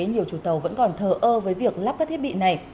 nhiều chủ tàu vẫn còn thờ ơ với việc lắp các thiết bị này